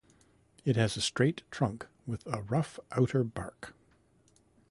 It has a straight trunk with a rough outer bark.